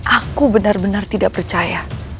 aku benar benar tidak percaya